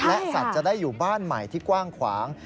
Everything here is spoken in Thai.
และสัตว์จะได้อยู่บ้านใหม่ที่กว้างขวาง